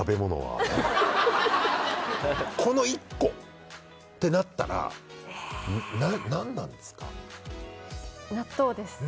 この１個ってなったら何なんですか？